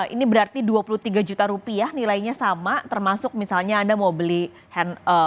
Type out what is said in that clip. ini berarti dua puluh tiga juta rupiah nilainya sama termasuk misalnya anda mau beli handphone